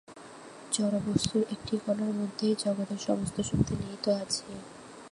জড়বস্তুর একটি কণার মধ্যেই জগতের সমস্ত শক্তি নিহিত আছে।